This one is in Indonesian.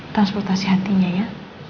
transportasi hatinya ya